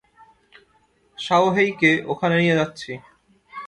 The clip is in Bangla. শাওহেইকে ওখানে নিয়ে যাচ্ছি।